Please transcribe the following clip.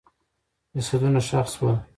جسدونه ښخ سول.